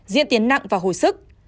diễn tiến nặng và hồi sức